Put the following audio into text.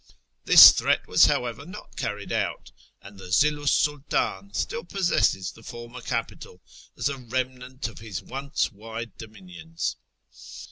This threat was, however, not carried out, and the Zillu 's Sultdn still possesses the former capital as a remnant of his once wide dominions.